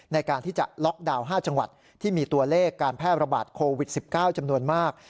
ในการที่จะล็อกดาวน์๕จังหวัดที่มีตัวเลขการแพร่ระบาดโควิด๑๙จำนวนมาก